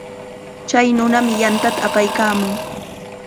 Chay nunami yantata apaykaamun.